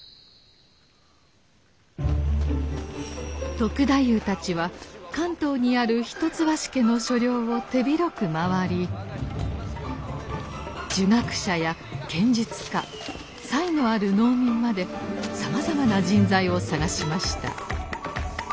篤太夫たちは関東にある一橋家の所領を手広く回り儒学者や剣術家才のある農民までさまざまな人材を探しました。